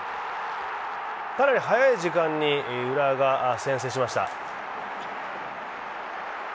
かなり早い時間に浦和が先制しました。